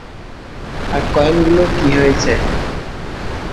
আর কয়েনগুলোর কী হয়েছে?